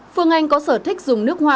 phương anh có sở thích dùng nước hoa